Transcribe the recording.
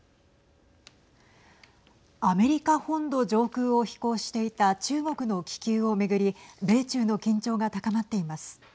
アメリカ本土上空を飛行していた中国の気球を巡り米中の緊張が高まっています。